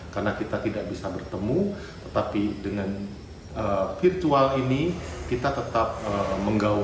karena kita tidak bisa bertemu tetapi dengan virtual ini kita tetap menggawal